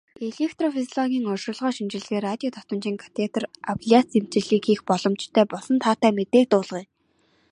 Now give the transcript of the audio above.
Электрофизиологийн оношилгоо, шинжилгээ, радио давтамжит катетр аблаци эмчилгээг хийх боломжтой болсон таатай мэдээг дуулгая.